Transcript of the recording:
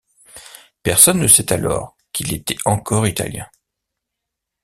Personne ne sait alors qu'il était encore italien.